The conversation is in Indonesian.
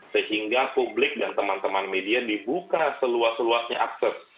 sehingga publik dan teman teman media dibuka seluas luasnya akses